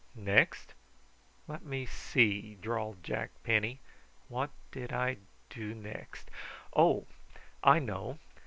"Next? Let me see," drawled Jack Penny; "what did I do next? Oh! I know.